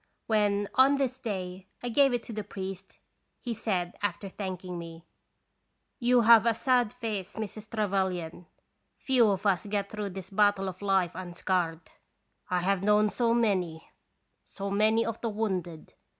When, on this day, I gave it to the priest he said, after thanking me :" You have a sad face, Mrs. Trevelyan. Few of us get through this battle of life un scarred. I have known so many, so many of the wounded.